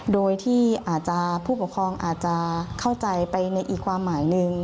โดยที่อาจจะผู้ปกครองอาจจะเข้าใจไปในอีกความหมายหนึ่ง